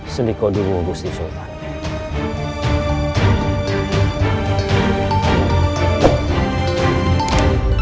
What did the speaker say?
silahkan kau tunggu busi sultan